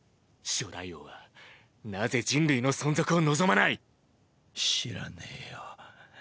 初代王はなぜ人類の存続を望まない⁉知らねぇよ。